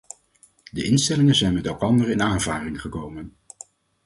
De instellingen zijn met elkander in aanvaring gekomen.